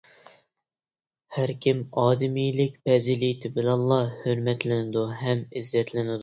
ھەر كىم ئادىمىيلىك پەزىلىتى بىلەنلا ھۆرمەتلىنىدۇ ھەم ئىززەتلىنىدۇ.